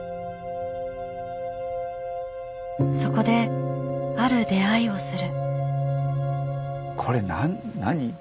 そこである出会いをする。